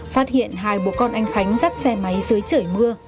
phát hiện hai bố con anh khánh dắt xe máy dưới trời mưa